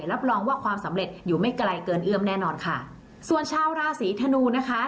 รับรองว่าความสำเร็จอยู่ไม่ไกลเกินเอื้อมแน่นอนค่ะส่วนชาวราศีธนูนะคะ